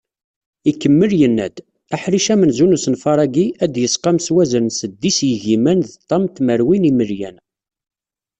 Ikemmel yenna-d: Aḥric amenzu n usenfar-agi, ad d-yesqam s wazal n seddis yigiman d ṭam tmerwin yimelyan